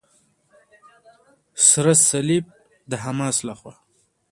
سره صلیب د حماس لخوا.